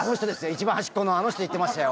一番端っこのあの人言ってましたよ。